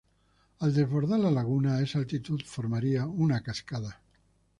Al desbordar la laguna a esa altitud formaría una cascada.